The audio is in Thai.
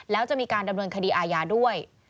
แล้วจะมีการดำเนินคดีอาญาด้วย